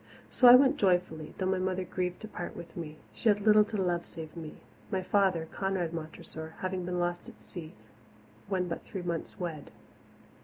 So I went joyfully though my mother grieved to part with me; she had little to love save me, my father, Conrad Montressor, having been lost at sea when but three months wed.